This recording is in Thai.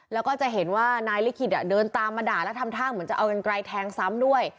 แล้วก็จะเห็นว่านายลิขิตเดินตามมาด่าแล้วทำท่าเหมือนจะเอากันไกลแทงซ้ำด้วย